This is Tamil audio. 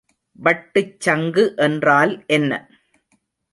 வட்டுச்சங்கு என்றால் என்ன?